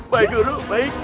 baik dulu baik